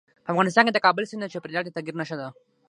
افغانستان کې د کابل سیند د چاپېریال د تغیر نښه ده.